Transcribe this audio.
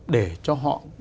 để cho họ